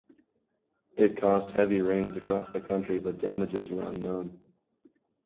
It caused heavy rain across the country but damages were unknown.